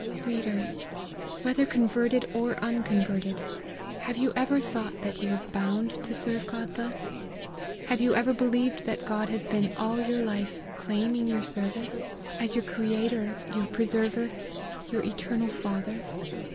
Reader, whether converted or unconverted, have you ever thought that you were bound to serve God thus ? have you ever believed that God has been all your life claiming your service, as your crea tor, your preserver, your eternal Father